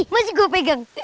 masih gue pegang